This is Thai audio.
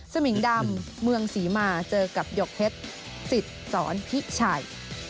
มิงดำเมืองศรีมาเจอกับหยกเพชรสิทธิ์สอนพิชัย